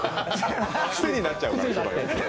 クセになっちゃうから。